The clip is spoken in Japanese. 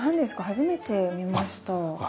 初めて見ました。